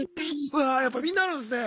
うわやっぱみんなあるんすね。